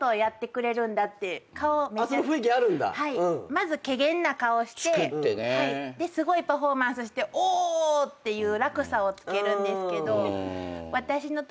まずけげんな顔してですごいパフォーマンスしてオー！っていう落差をつけるんですけど私のとき。